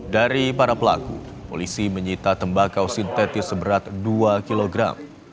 dari para pelaku polisi menyita tembakau sintetis seberat dua kilogram